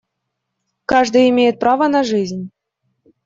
Каждый имеет право на жизнь.